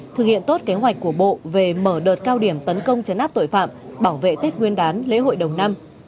thực hiện tốt kế hoạch của bộ về mở đợt cao điểm tấn công chấn áp tội phạm bảo vệ tết nguyên đán lễ hội đầu năm